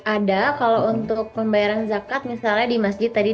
ada kalau untuk pembayaran zakat misalnya di masjid tadi